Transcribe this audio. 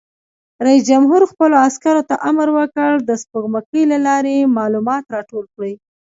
رئیس جمهور خپلو عسکرو ته امر وکړ؛ د سپوږمکۍ له لارې معلومات راټول کړئ!